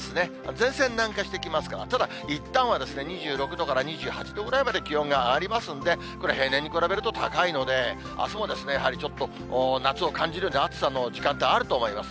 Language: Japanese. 前線南下してきますから、ただ、いったんは２６度から２８度ぐらいまで気温が上がりますんで、これ、平年に比べると高いので、あすもやはりちょっと夏を感じるような暑さの時間帯、あると思います。